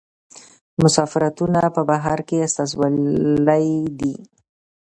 سفارتونه په بهر کې استازولۍ دي